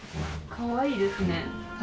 かわいいですね。